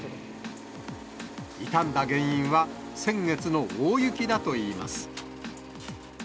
傷んだ原因は、先月の大雪だといいます。